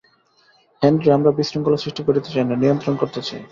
Henry, আমরা বিশৃঙ্খলা সৃষ্টি করতে চাই না, নিয়ন্ত্রণ করতে চাই।